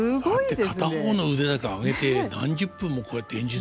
だって片方の腕だけ上げて何十分もこうやって演じ続けるわけでしょ。